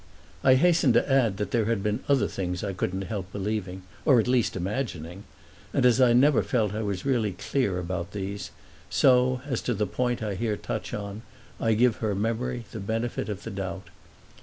I hasten to add that there had been other things I couldn't help believing, or at least imagining; and as I never felt I was really clear about these, so, as to the point I here touch on, I give her memory the benefit of the doubt.